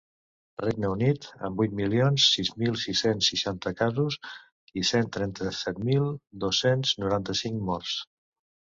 Regne Unit, amb vuit milions sis mil sis-cents seixanta casos i cent trenta-set mil dos-cents noranta-cinc morts.